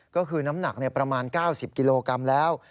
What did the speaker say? ก็คือน้ำหนักประมาณ๙๐กิโลกรัมแล้ว